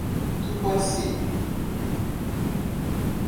Tupãssi